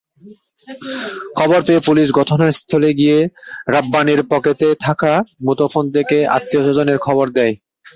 খবর পেয়ে পুলিশ ঘটনাস্থলেগিয়ে রাব্বানির পকেটে থাকা মুঠোফোন থেকে আত্মীয়স্বজনকে খবর দেয়।